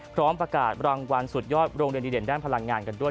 พร้อมประกาศรางวัลสุดยอดโรงเรียนดีเด่นด้านพลังงานกันด้วย